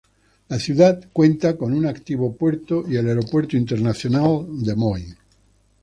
La ciudad cuenta con un activo puerto y el Aeropuerto Internacional Moi.